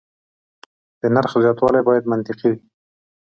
د نرخ زیاتوالی باید منطقي وي.